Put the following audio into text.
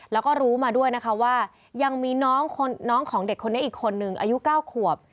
แล้วก็รู้มาด้วยนะคะว่ายังมีน้องของเด็กคนนี้อีกคนนึงอายุ๙ขวบ